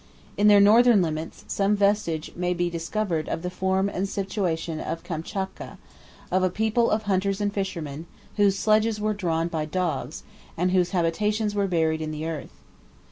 In their northern limits, some vestige may be discovered of the form and situation of Kamptchatka, of a people of hunters and fishermen, whose sledges were drawn by dogs, and whose habitations were buried in the earth.